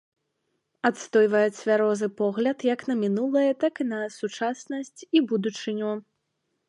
Адстойвае цвярозы погляд як на мінулае, так і на сучаснасць і будучыню.